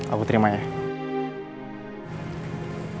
aku terima ya